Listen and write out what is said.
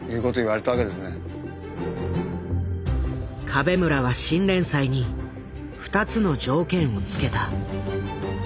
壁村は新連載に２つの条件をつけた。